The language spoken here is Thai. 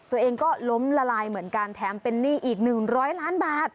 ตัวเองก็ล้มละลายเหมือนกันแถมเป็นหนี้อีก๑๐๐ล้านบาท